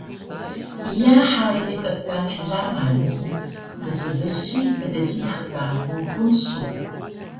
iya hari ekan hlama ni gsgsi kjiyax ka gupun su